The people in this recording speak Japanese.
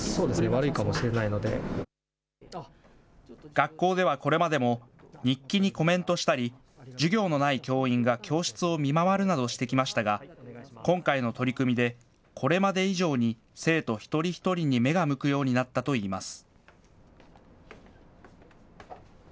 学校ではこれまでも、日記にコメントしたり、授業のない教員が教室を見回るなどしてきましたが、今回の取り組みで、これまで以上に生徒一人一人に目が向くようになったといいます。